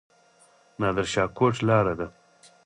نادر شاه کوټ لاره ده؟